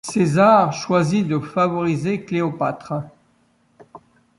César choisit de favoriser Cléopâtre.